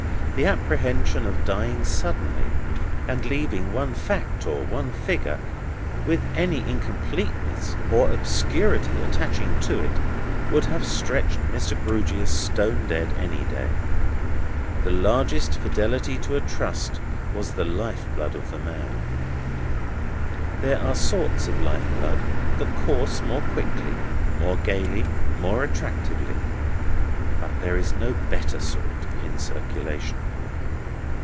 The apprehension of dying suddenly, and leaving one fact or one figure with any incompleteness or obscurity attaching to it, would have stretched Mr. Grewgious stone dead any day. The largest fidelity to a trust was the life blood of the man. There are sorts of life blood that course more quickly, more gaily, more attractively; but there is no better sort in circulation.